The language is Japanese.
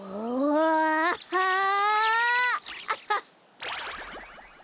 アハッ。